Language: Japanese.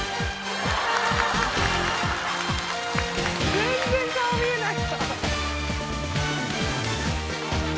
全然顔見えない。